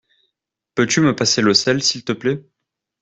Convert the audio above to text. Peux-tu me passer le sel s'il te plaît?